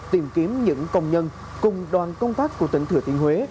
tìm kiếm những công nhân cùng đoàn công tác của tỉnh thừa thiên huế